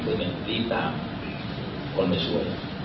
คุณแม่ลีบตามคนมาช่วย